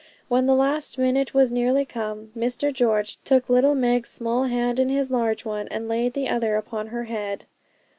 When the last minute was nearly come, Mr George took little Meg's small hand in his large one, and laid the other upon her head.